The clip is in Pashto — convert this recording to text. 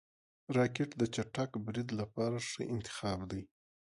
راکټ د چټک برید لپاره ښه انتخاب دی